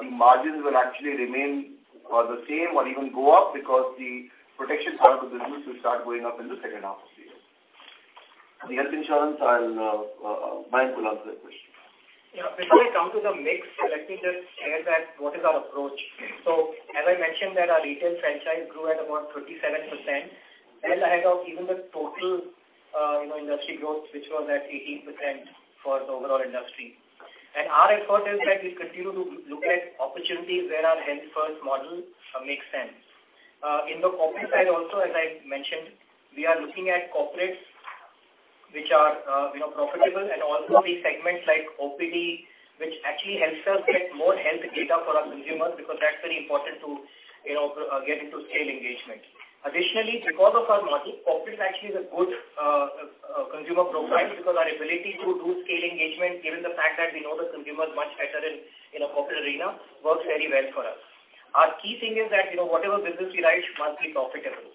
the margins will actually remain the same or even go up because the protection part of the business will start going up in the second half of the year. The Health Insurance, Mayank will answer that question. Yeah. Before I come to the mix, let me just share that what is our approach. As I mentioned that our retail franchise grew at about 37%, well ahead of even the total, you know, industry growth, which was at 18% for the overall industry. Our effort is that we continue to look at opportunities where our health first model makes sense. In the corporate side also, as I mentioned, we are looking at corporates which are, you know, profitable and also the segments like OPD, which actually helps us get more health data for our consumers because that's very important to, you know, get into scale engagement. Additionally, because of our margin, corporate actually is a good consumer profile because our ability to do scale engagement, given the fact that we know the consumers much better in a corporate arena, works very well for us. Our key thing is that, you know, whatever business we write must be profitable.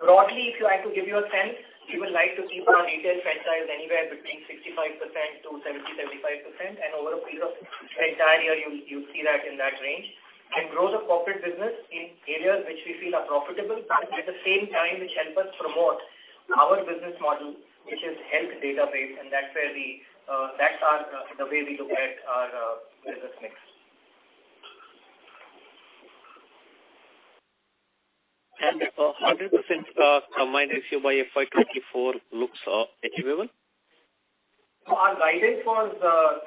Broadly, if you like, to give you a sense, we would like to keep our retail franchise anywhere between 65% to 70-75%. Over a period of the entire year, you'll see that in that range. Grow the corporate business in areas which we feel are profitable, but at the same time which help us promote our business model, which is health database, and that's our the way we look at our business mix. 100% combined ratio by FY 2024 looks achievable? Our guidance was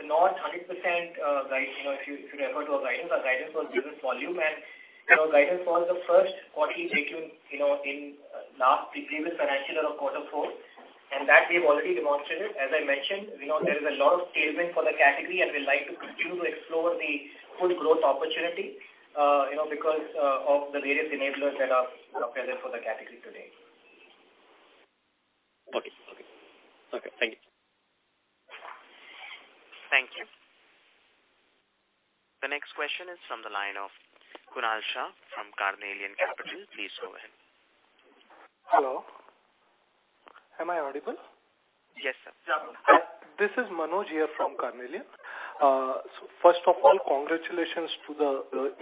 not 100%, you know, if you refer to our guidance, our guidance was business volume. Guidance was the first quarterly taken, you know, in the previous financial year of quarter four. That we've already demonstrated. As I mentioned, you know, there is a lot of tailwind for the category, and we like to continue to explore the full growth opportunity, you know, because of the various enablers that are present for the category today. Okay. Thank you. Thank you. The next question is from the line of Kunal Shah from Carnelian Capital. Please go ahead. Hello. Am I audible? Yes, sir. Yeah. This is Manoj here from Carnelian. First of all, congratulations to the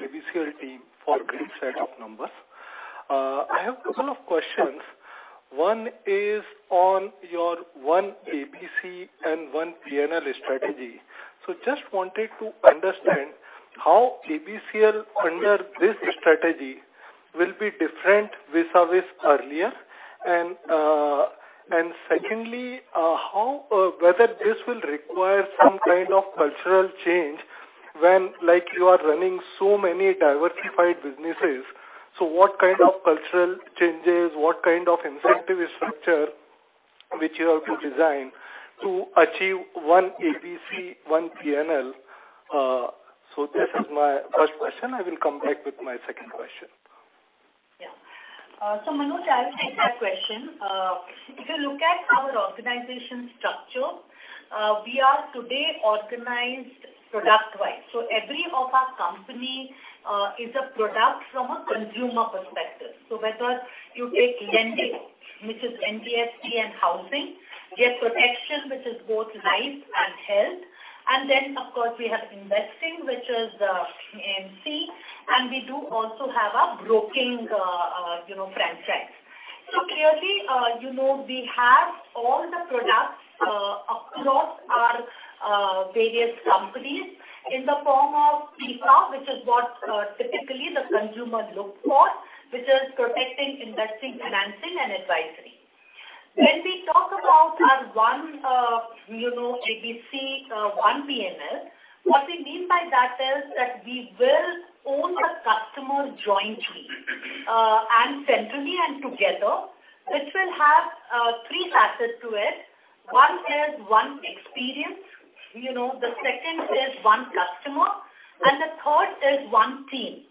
ABC team for great set of numbers. I have couple of questions. One is on your one ABC and one P&L strategy. Just wanted to understand how ABC under this strategy will be different vis-à-vis earlier. Secondly, how or whether this will require some kind of cultural change when like you are running so many diversified businesses. What kind of cultural changes, what kind of incentive structure which you have to design to achieve one ABC, one P&L? This is my first question. I will come back with my second question. Yeah. Manoj, I will take that question. If you look at our organization structure, we are today organized product-wise. Every of our company is a product from a consumer perspective. Whether you take lending, which is NBFC and housing, we have protection, which is both life and health. Of course we have investing, which is AMC, and we do also have a broking, you know, franchise. Clearly, you know, we have all the products across our various companies in the form of PIFA, which is what typically the consumer look for, which is protecting, investing, financing and advisory. When we talk about our one you know ABC one P&L, what we mean by that is that we will own the customer jointly and centrally and together, which will have three facets to it. One is one experience, you know. The second is one customer, and the third is one team.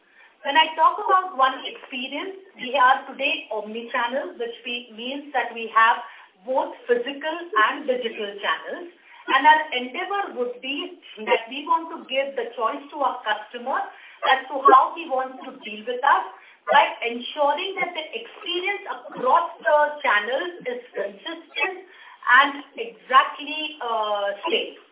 When I talk about one experience, we are today omni-channel, which means that we have both physical and digital channels. Our endeavor would be that we want to give the choice to our customer as to how he wants to deal with us by ensuring that the experience across the channels is consistent and exactly same.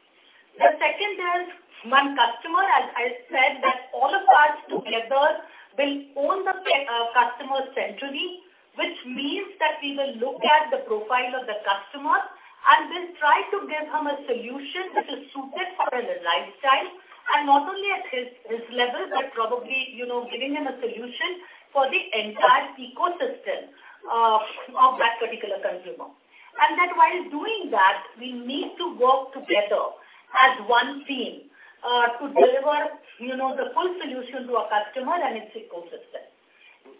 The second is one customer. As I said that all of us together will own the customer centrally. Means that we will look at the profile of the customer and we'll try to give him a solution which is suited for his lifestyle and not only at his level, but probably, you know, giving him a solution for the entire ecosystem of that particular consumer. That while doing that, we need to work together as one team to deliver, you know, the full solution to a customer and its ecosystem.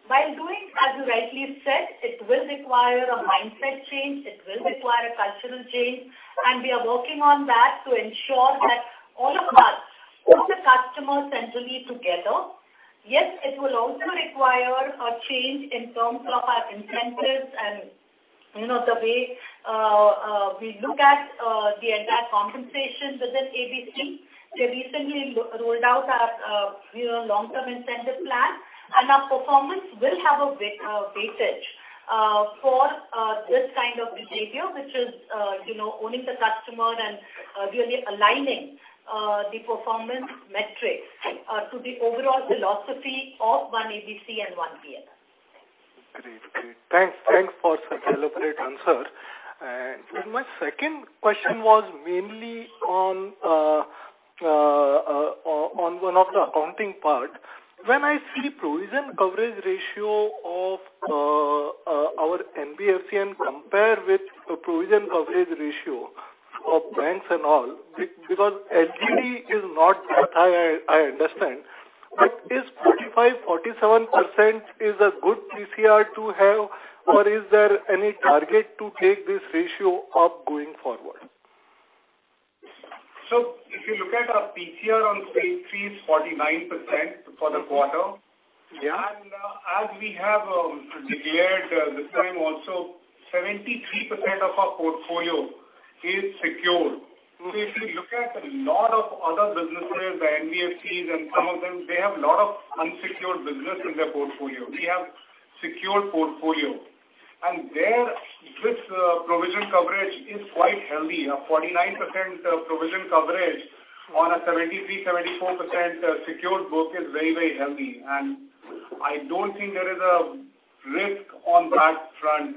While doing, as you rightly said, it will require a mindset change, it will require a cultural change, and we are working on that to ensure that all of us put the customer centrally together. Yes, it will also require a change in terms of our incentives and, you know, the way we look at the entire compensation within ABC. We recently rolled out our, you know, long-term incentive plan and our performance will have a weightage for this kind of behavior, which is, you know, owning the customer and really aligning the performance metrics to the overall philosophy of one ABC and one P&L. Great. Thanks for such elaborate answer. My second question was mainly on one of the accounting part. When I see provision coverage ratio of our NBFC and compare with a provision coverage ratio of banks and all, because LGD is not what I understand. But is 45%-47% a good PCR to have or is there any target to take this ratio up going forward? If you look at our PCR on stage three, it's 49% for the quarter. Yeah. As we have declared this time also 73% of our portfolio is secured. If you look at a lot of other businesses, the NBFCs and some of them, they have a lot of unsecured business in their portfolio. We have a secured portfolio and provision coverage is quite healthy. 49% provision coverage on a 73%-74% secured book is very, very healthy and I don't think there is a risk on that front.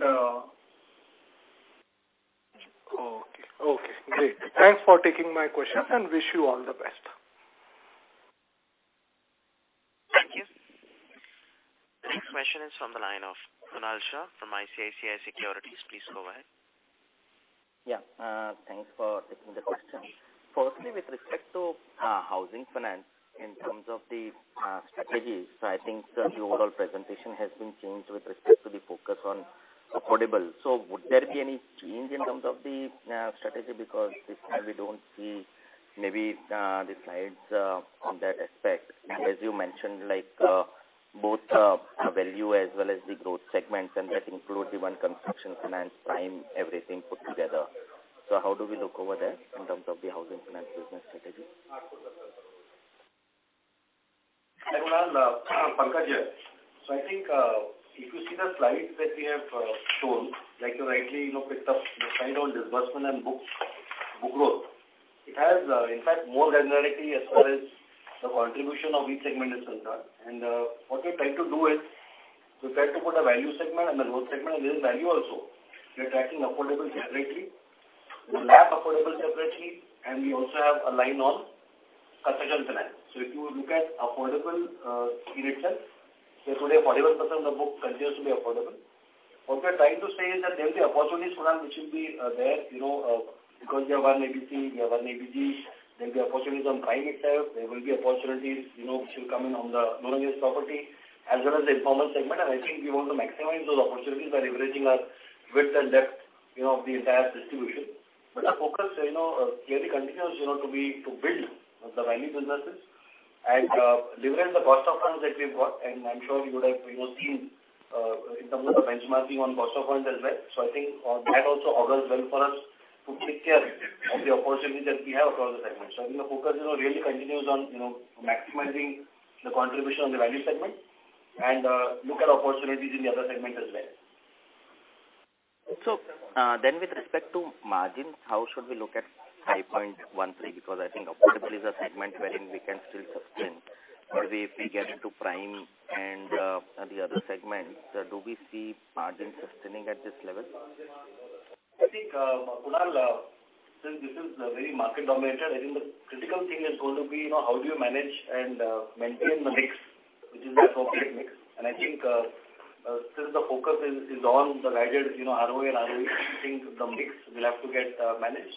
Okay. Okay, great. Thanks for taking my question and wish you all the best. Thank you. The next question is from the line of Kunal Shah from ICICI Securities. Please go ahead. Yeah. Thanks for taking the question. Firstly, with respect to Housing Finance in terms of the strategies, I think the overall presentation has been changed with respect to the focus on affordable. Would there be any change in terms of the strategy because this time we don't see maybe the slides on that aspect. As you mentioned, like both value as well as the growth segments and that includes even construction finance, prime, everything put together. How do we look over there in terms of the Housing Finance Business strategy? Hi, Kunal. Pankaj here. I think if you see the slides that we have shown, like you rightly you know picked up the slide on disbursement and book growth. It has in fact more granularity as far as the contribution of each segment is concerned. What we try to do is we try to put a value segment and the growth segment within value also. We are tracking affordable separately. We map affordable separately and we also have a line on construction finance. If you look at affordable in itself, say today 41% of the book continues to be affordable. What we are trying to say is that there will be opportunities for them which will be there you know because we have one ABC, we have one ABG. There'll be opportunities on prime itself. There will be opportunities, you know, which will come in on the non-interest property as well as the informal segment. I think we want to maximize those opportunities by leveraging our breadth and depth, you know, of the entire distribution. Our focus, you know, clearly continues, you know, to be to build the value businesses and leverage the cost of funds that we've got. I'm sure you would have, you know, seen in terms of the benchmarking on cost of funds as well. I think that also augurs well for us to take care of the opportunities that we have across the segments. I think the focus, you know, really continues on, you know, maximizing the contribution on the value segment and look at opportunities in the other segment as well. With respect to margins, how should we look at 5.13%? Because I think affordable is a segment wherein we can still sustain. If we get into prime and the other segments, do we see margins sustaining at this level? I think, Kunal, since this is very market dominated, I think the critical thing is going to be, you know, how do you manage and maintain the mix, which is the appropriate mix. I think, since the focus is on the guided, you know, ROE and ROA, I think the mix will have to get managed.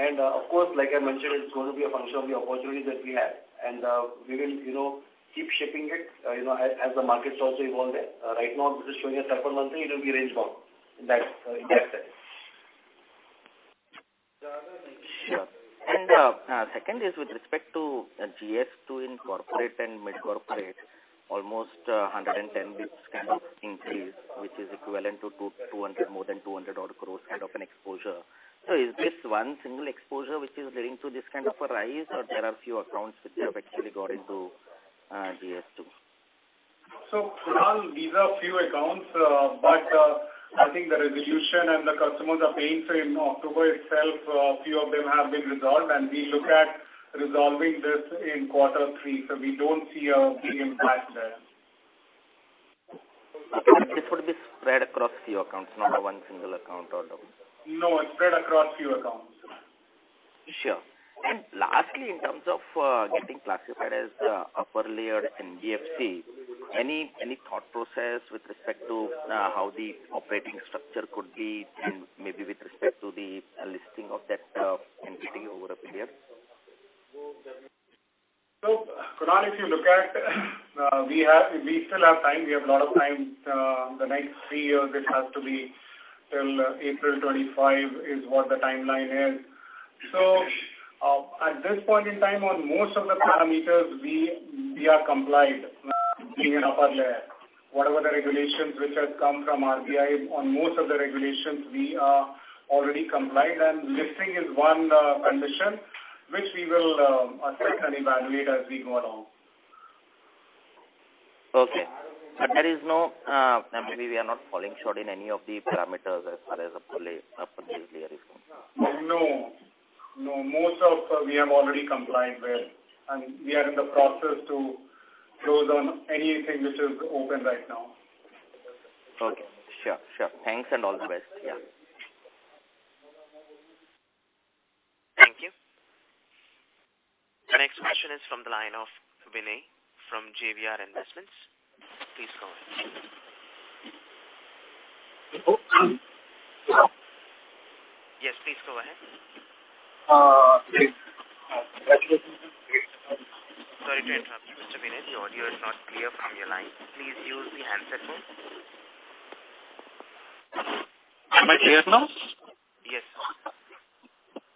Of course, like I mentioned, it's going to be a function of the opportunity that we have. We will, you know, keep shaping it, you know, as the markets also evolve there. Right now this is showing a 5.13%, it will be range bound in that sense. Sure. Second is with respect to GS2 in corporate and mid-corporate, almost 110 basis points kind of increase, which is equivalent to 200, more than 200-odd crore kind of an exposure. So is this one single exposure which is leading to this kind of a rise or there are few accounts which have actually got into GS2? Kunal, these are few accounts. I think the resolution and the customers are paying for in October itself, a few of them have been resolved and we look at resolving this in quarter three. We don't see a big impact there. Okay. This would be spread across few accounts, not a one single account or domains? No, it's spread across few accounts. Sure. Lastly, in terms of getting classified as the upper layered NBFC, any thought process with respect to how the operating structure could be and maybe with respect to the listing of that entity over a period? Kunal, if you look at, we still have time. We have a lot of time. The next three years, it has to be till April 2025 is what the timeline is. At this point in time on most of the parameters, we are compliant being an upper layer. Whatever the regulations which has come from RBI on most of the regulations we are already compliant and listing is one condition which we will assess and evaluate as we go along. There is no maybe. We are not falling short in any of the parameters as far as upper layers is concerned. No, no. Most of which we have already complied with and we are in the process to close on anything which is open right now. Okay. Sure. Thanks and all the best. Yeah. Thank you. The next question is from the line of Vinay from JBR Group. Please go ahead. Hello. Hello. Yes, please go ahead. Great. Congratulations on great- Sorry to interrupt you, Mr. Vinay. The audio is not clear from your line. Please use the handset phone. Am I clear now? Yes.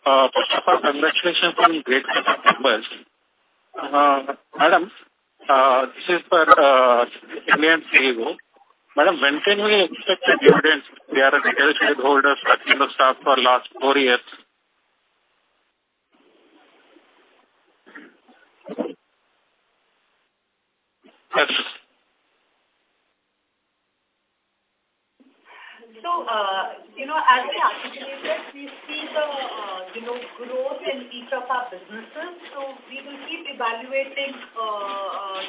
First of all, congratulations on great set of numbers. Madam, this is for India's CEO. Madam, when can we expect a dividend? We are an equity holder holding the stock for last four years. You know, as we articulated, we see the you know, growth in each of our businesses. We will keep evaluating,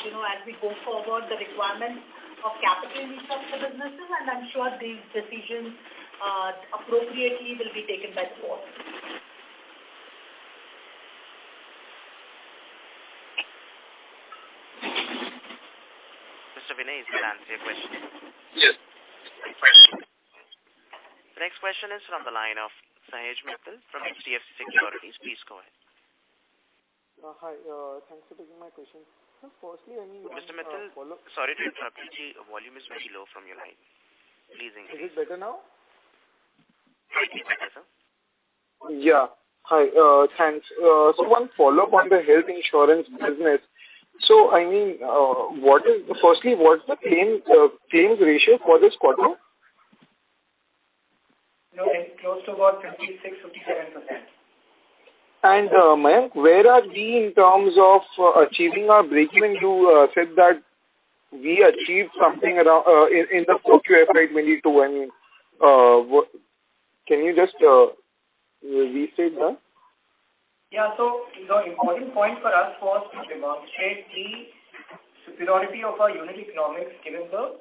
you know, as we go forward, the requirement of capital in each of the businesses, and I'm sure these decisions appropriately will be taken by the board. Mr. Vinay, does that answer your question? Yes. The next question is from the line of Sahej Mittal from HDFC Securities. Please go ahead. Hi. Thanks for taking my question. Firstly, I mean- Mr. Mittal, sorry to interrupt you. Volume is very low from your line. Please increase it. Is it better now? Sorry, can you hear sir? Yeah. Hi, thanks. One follow-up on the Health Insurance business. I mean, firstly, what's the claims ratio for this quarter? No, it's close to about 56%-57%. Mayank, where are we in terms of achieving our breakeven? You said that we achieved something around in the fourth quarter of 2022. Can you just restate that? Yeah. The important point for us was to demonstrate the superiority of our unit economics given the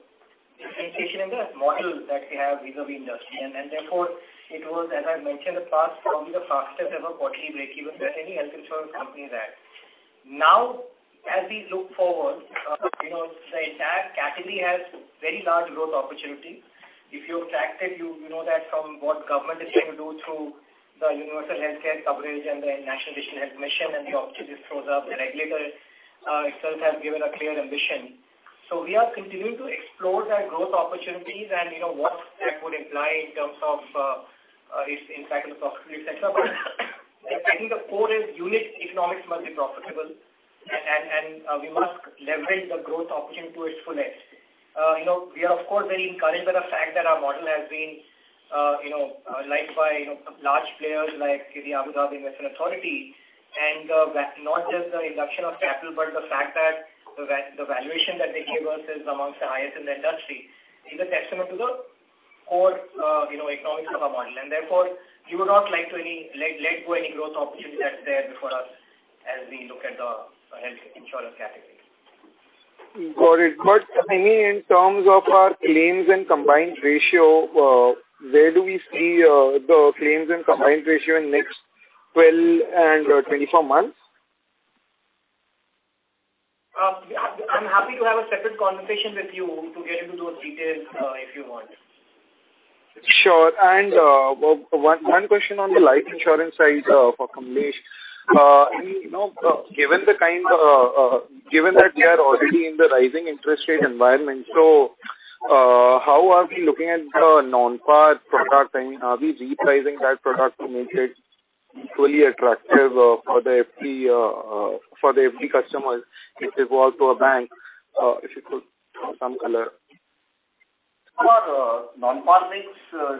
differentiation in the model that we have vis-à-vis industry. Therefore it was, as I mentioned in the past, probably the fastest ever quarterly breakeven that any Health Insurance company has had. Now, as we look forward, you know, the entire category has very large growth opportunity. If you've tracked it you know that from what government is trying to do through the universal healthcare coverage and the National Digital Health Mission and the opportunity this throws up. The regulator itself has given a clear ambition. We are continuing to explore that growth opportunities and, you know, what that would imply in terms of its impact on the profitability et cetera. I think the core is unit economics must be profitable and we must leverage the growth opportunity to its fullest. You know, we are of course very encouraged by the fact that our model has been liked by large players like, say, the Abu Dhabi Investment Authority and not just the induction of capital, but the fact that the valuation that they gave us is among the highest in the industry is a testament to the core economics of our model. Therefore, we would not like to let go any growth opportunity that's there before us as we look at the Health Insurance category. Got it. I mean, in terms of our claims and combined ratio, where do we see the claims and combined ratio in next 12 and 24 months? I'm happy to have a separate conversation with you to get into those details, if you want. Sure. One question on Life Insurance side, for Kamlesh. I mean, you know, given that we are already in the rising interest rate environment, how are we looking at the non-par product? I mean, are we repricing that product to make it fully attractive, for the FD customers if they go out to a bank? If you could throw some color? For non-par mix,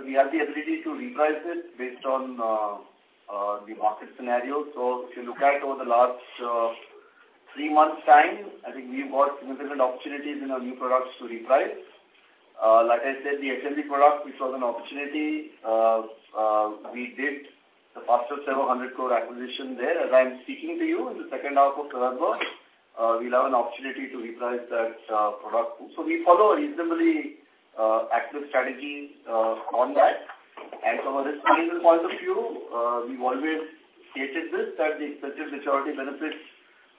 we have the ability to reprice it based on the market scenario. If you look at over the last three months' time, I think we've got significant opportunities in our new products to reprice. Like I said, the FMP product, it was an opportunity. We did the first of several hundred crore acquisition there. As I'm speaking to you in the second half of November, we'll have an opportunity to reprice that product. We follow a reasonably active strategy on that. From a risk management point of view, we've always stated this, that the expected maturity benefits,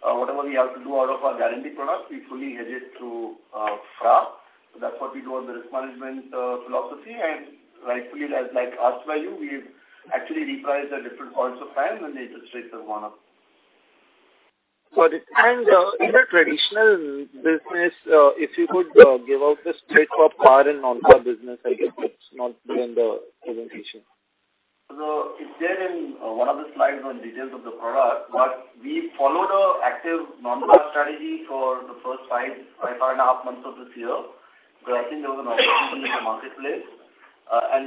whatever we have to do out of our guarantee product, we fully hedge it through FRA. That's what we do on the risk management philosophy. Rightfully, as like asked by you, we've actually repriced at different points of time when the interest rates have gone up. Got it. In the traditional business, if you could, give out the straight PAR and non-PAR business. I guess it's not there in the presentation? It's there in one of the slides on details of the product. We followed an active non-PAR strategy for the first five and a half months of this year because I think there was an opportunity in the marketplace.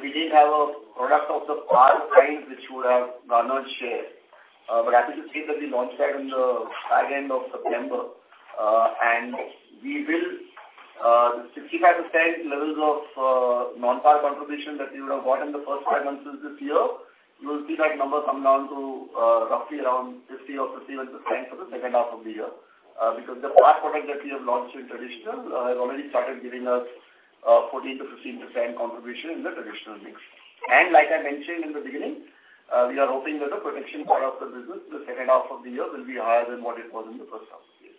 We didn't have a product of the PAR price which would have garnered share. Happy to say that we launched that in the back end of September. The 65% levels of non-PAR contribution that you would have got in the first five months of this year, you will see that number come down to roughly around 50 or 51% for the second half of the year. Because the PAR product that we have launched in traditional has already started giving us 14%-15% contribution in the traditional mix. Like I mentioned in the beginning, we are hoping that the protection part of the business in the second half of the year will be higher than what it was in the first half of the year.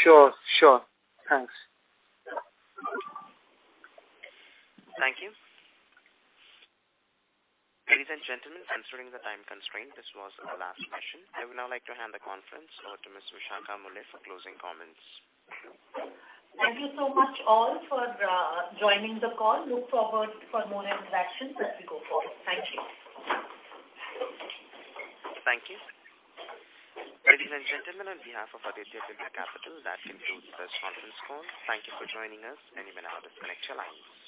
Sure. Thanks. Thank you. Ladies and gentlemen, considering the time constraint, this was our last question. I would now like to hand the conference over to Ms. Vishakha Mulye for closing comments. Thank you so much all for joining the call. Look forward for more interactions as we go forward. Thank you. Thank you. Ladies and gentlemen, on behalf of Aditya Birla Capital, that concludes this conference call. Thank you for joining us, and you may now disconnect your lines.